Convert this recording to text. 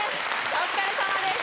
お疲れさまです